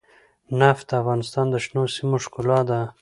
نفت د افغانستان د شنو سیمو ښکلا ده.